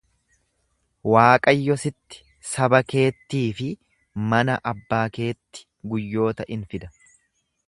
Waaqayyo sitti, saba keettii fi mana abbaa keetti guyyoota in fida.